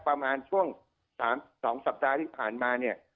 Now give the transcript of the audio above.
ประมาณช่วง๓๒สัปดาห์ที่ผ่านมาเนี่ย